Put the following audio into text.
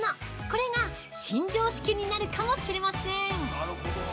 これが新常識になるかもしれません！